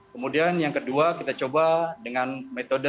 kemudian yang kedua kita coba dengan metode